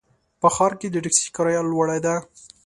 په ښار کې د ټکسي کرایه لوړه ده.